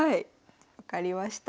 分かりました。